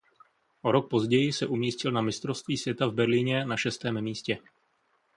O rok později se umístil na mistrovství světa v Berlíně na šestém místě.